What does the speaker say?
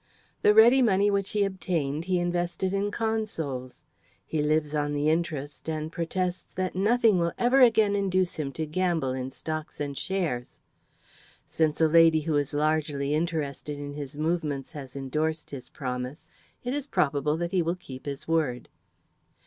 The ready money which he obtained he invested in consols. He lives on the interest, and protests that nothing will ever again induce him to gamble in stocks and shares. Since a lady who is largely interested in his movements has endorsed his promise, it is probable that he will keep his word.